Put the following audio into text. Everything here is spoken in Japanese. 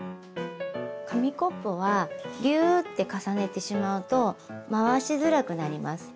紙コップはギューって重ねてしまうと回しづらくなります。